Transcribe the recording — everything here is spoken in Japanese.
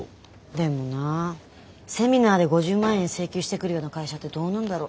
でもなセミナーで５０万円請求してくるような会社ってどうなんだろ。